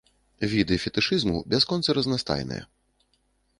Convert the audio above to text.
Віды фетышызму бясконца разнастайныя.